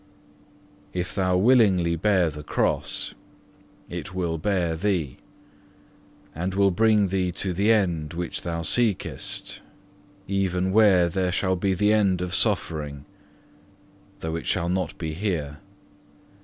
5. If thou willingly bear the Cross, it will bear thee, and will bring thee to the end which thou seekest, even where there shall be the end of suffering; though it shall not be here.